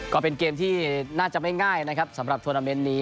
ก็เป็นเกมที่น่าจะไม่ง่ายนะครับสำหรับทวนาเมนต์นี้